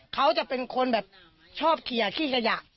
เขาจะเป็นคนแบบชอบเขียวขี้กระหยะ